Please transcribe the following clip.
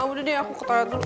oh udah deh aku ke toilet dulu